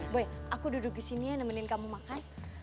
boy aku duduk di sini ya nemenin kamu makan